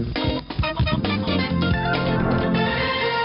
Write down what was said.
สวัสดีครับ